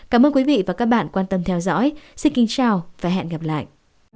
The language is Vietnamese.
cảm ơn quý vị và các bạn quan tâm theo dõi xin kính chào và hẹn gặp lại